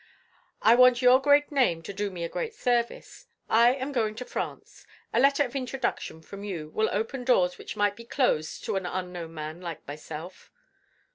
"I want your great name to do me a great service. I am going to France. A letter of introduction, from you, will open doors which might be closed to an unknown man like myself."